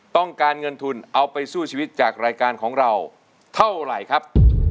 ต้องการเงินทุนเอาไปสู้ชีวิตจากรายการของเราเท่าไหร่ครับ